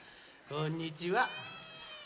こんにちは。